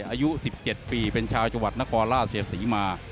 อายุ๑๗ปีเป็นชาวจังหวัดนครราชศรีมา